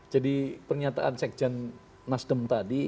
jadi pernyataan sekjen nasdem tadi